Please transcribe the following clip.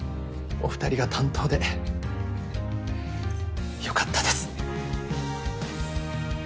お２人が担当で良かったです。